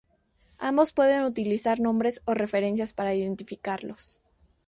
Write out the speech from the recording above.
Ambos pueden utilizar nombres o referencias para identificarlos.